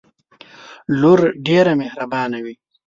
لور ډیره محربانه وی